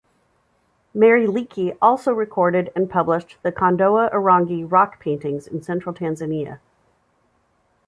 Mary Leakey also recorded and published the Kondoa Irangi Rock Paintings in central Tanzania.